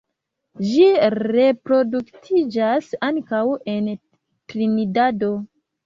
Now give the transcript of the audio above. Ĝi reproduktiĝas ankaŭ en Trinidado.